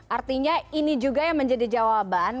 artinya ini juga yang menjadi jawaban